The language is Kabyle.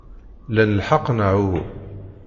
Lan lḥeqq, neɣ uhu?